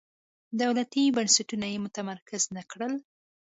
دولتي بنسټونه یې متمرکز نه کړل.